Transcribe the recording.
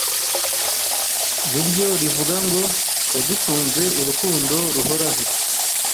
niryo rivuga ngo yadukunze urukundo ruhoraho